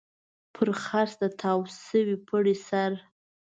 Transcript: پر څرخ د تاو شوي پړي سر.